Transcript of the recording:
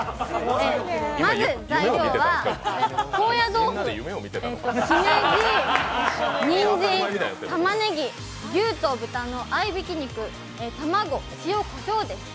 まず材料は高野豆腐、しめじ、にんじん、たまねぎ牛と豚の合いびき肉、卵、塩、こしょうです。